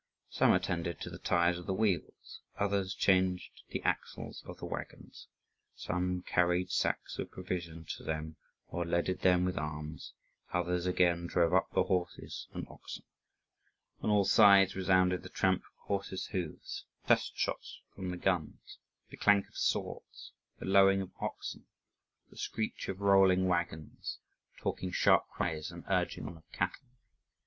Some attended to the tyres of the wheels, others changed the axles of the waggons; some carried sacks of provisions to them or leaded them with arms; others again drove up the horses and oxen. On all sides resounded the tramp of horses' hoofs, test shots from the guns, the clank of swords, the lowing of oxen, the screech of rolling waggons, talking, sharp cries and urging on of cattle.